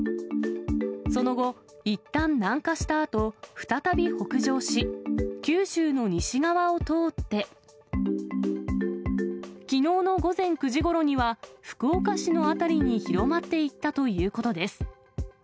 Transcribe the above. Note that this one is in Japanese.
その後、いったん南下したあと再び北上し、九州の西側を通って、きのうの午前９時ごろには、福岡市の辺りに広まっていったということです。